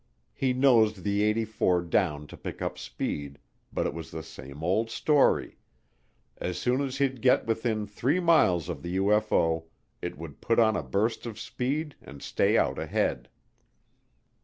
He nosed the '84 down to pick up speed, but it was the same old story as soon as he'd get within 3 miles of the UFO, it would put on a burst of speed and stay out ahead.